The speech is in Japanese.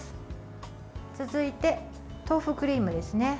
続いて豆腐クリームですね。